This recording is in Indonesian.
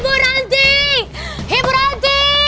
ibu ranti ibu ranti